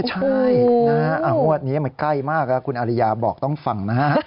ใช่นะงวดนี้มันใกล้มากแล้วคุณอาริยาบอกต้องฟังนะฮะ